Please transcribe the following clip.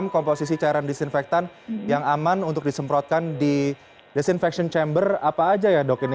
komposisi cairan disinfektan yang aman untuk disemprotkan di desinfection chamber apa aja ya dok ini